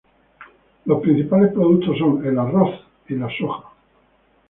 Los principales productos son el arroz y la soja.